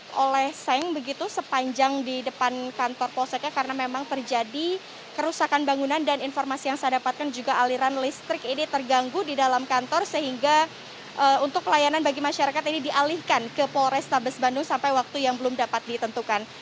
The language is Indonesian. yang oleh seng begitu sepanjang di depan kantor polseknya karena memang terjadi kerusakan bangunan dan informasi yang saya dapatkan juga aliran listrik ini terganggu di dalam kantor sehingga untuk pelayanan bagi masyarakat ini dialihkan ke polrestabes bandung sampai waktu yang belum dapat ditentukan